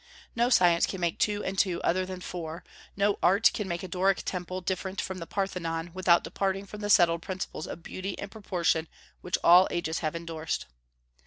No science can make two and two other than four; no art can make a Doric temple different from the Parthenon without departing from the settled principles of beauty and proportion which all ages have indorsed.